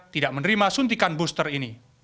tidak menerima suntikan booster ini